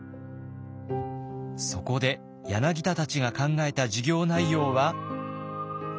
そこで柳田たちが考えた授業内容は。